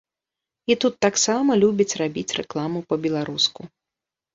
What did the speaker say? І тут таксама любяць рабіць рэкламу па-беларуску.